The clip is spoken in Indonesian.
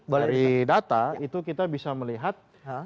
dari data itu kita bisa melihat